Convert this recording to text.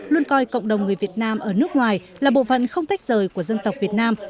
luôn coi cộng đồng người việt nam ở nước ngoài là bộ phận không tách rời của dân tộc việt nam